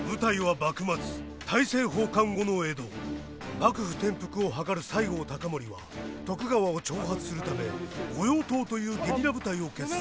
幕府転覆を謀る西郷隆盛は徳川を挑発するため御用盗というゲリラ部隊を結成。